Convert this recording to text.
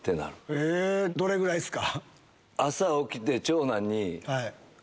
えどれぐらいっすか？